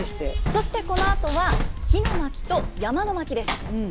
そしてこのあとは「火の巻」と「山の巻」です。